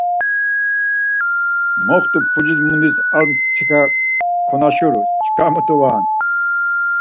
Moxtu puciş mundis ar mtsika konaşuru, çkva mutu var.